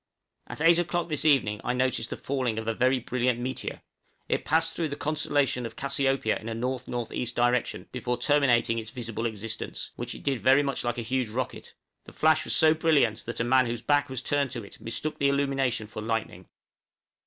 At eight o'clock this evening I noticed the falling of a very brilliant meteor; it passed through the constellation of Cassiopeia in a N.N.E. direction before terminating its visible existence, which it did very much like a huge rocket; the flash was so brilliant that a man whose back was turned to it mistook the illumination for lightning.